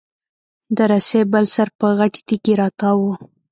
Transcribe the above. د رسۍ بل سر په غټې تېږي راتاو و.